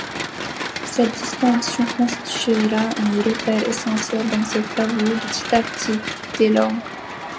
Cette distinction constituera un repère essentiel dans ses travaux de didactique des langues.